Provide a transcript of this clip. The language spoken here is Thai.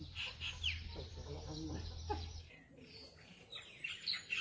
จุฏฮี